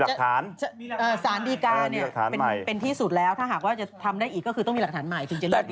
แบบที่เค้าพูดเมื่อกี้มีคนทางลายนี้